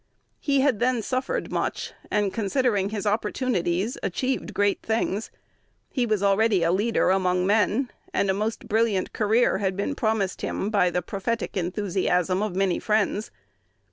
He had then suffered much, and, considering his opportunities, achieved great things. He was already a leader among men, and a most brilliant career had been promised him by the prophetic enthusiasm of many friends.